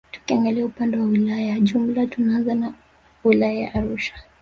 Tukiangalia upande wa wilaya jumla tunaanza na wilaya ya Arusha